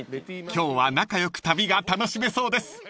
［今日は仲良く旅が楽しめそうです］